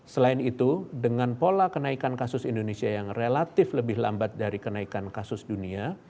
selain itu dengan pola kenaikan kasus indonesia yang relatif lebih lambat dari kenaikan kasus dunia